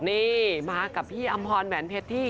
นี่มากับพี่อำพรแหวนเพชรที่